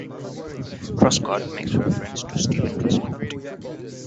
"Truscott" makes reference to Steven Truscott.